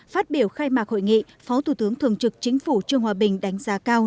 phát biểu khai mạc hội nghị phó thủ tướng thường trực chính phủ trương hòa bình đánh giá cao